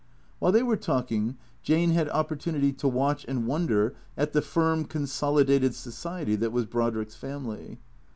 While they were talking Jane had opportunity to watch and wonder at the firm, consolidated society that was Brodrick's family.